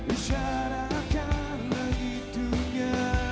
isyaratkan lagi dunia